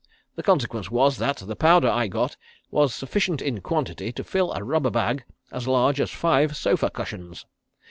The consequence was that the powder I got was sufficient in quantity to fill a rubber bag as large as five sofa cushions.